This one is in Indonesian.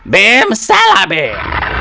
bim salah bim